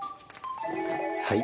はい。